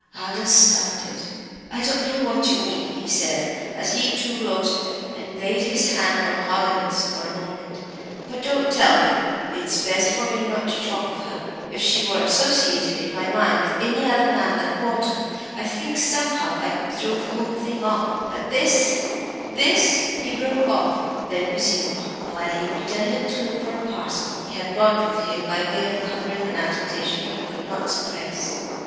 Aldous started. "I don't know what you mean," he said, as he too rose and laid his hand on Hallin's for a moment. "But don't tell me! It's best for me not to talk of her. If she were associated in my mind with any other man than Wharton, I think somehow I could throw the whole thing off. But this this " He broke off; then resumed, while he pretended to look for a parcel he had brought with him, by way of covering an agitation he could not suppress.